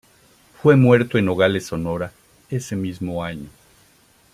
Fue muerto en Nogales, Sonora, ese mismo año.